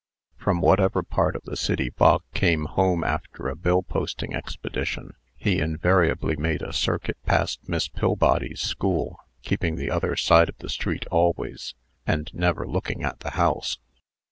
From whatever part of the city Bog came home after a bill posting expedition, he invariably made a circuit past Miss Pillbody's school, keeping the other side of the street always, and never looking at the house.